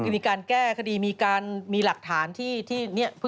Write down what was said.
มีการแก้คดีมีการมีหลักฐานที่นี่